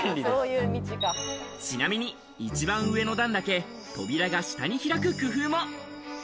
ちなみに一番上の段だけ扉が下に開く工夫も。